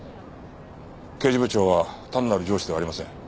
刑事部長は単なる上司ではありません。